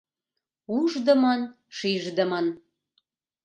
Уждымын-шиждымын.